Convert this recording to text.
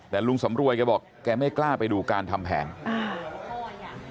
แต่ลุงสำรวยแกบอกแกไม่กล้าไปดูการทำแผนอ่า